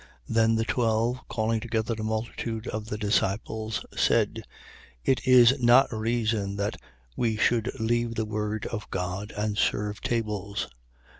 Then the twelve, calling together the multitude of the disciples, said: It is not reason that we should leave the word of God and serve tables.